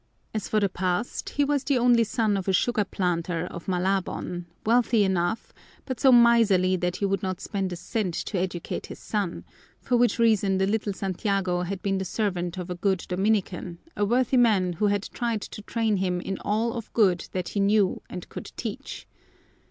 As for the past, he was the only son of a sugar planter of Malabon, wealthy enough, but so miserly that he would not spend a cent to educate his son, for which reason the little Santiago had been the servant of a good Dominican, a worthy man who had tried to train him in all of good that he knew and could teach.